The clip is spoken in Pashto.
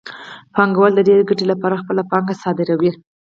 پانګوال د ډېرې ګټې لپاره خپله پانګه صادروي